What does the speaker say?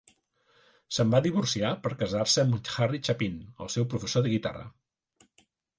Se'n va divorciar per casar-se amb Harry Chapin, el seu professor de guitarra.